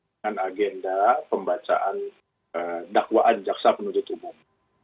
dengan agenda pembacaan dakwaan jaksa penuntut umum